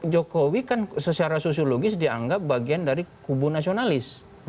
jokowi kan secara sosiologis dianggap bagian dari kubu nasionalis